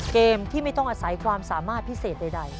เกมที่ไม่ต้องอาศัยความสามารถพิเศษใด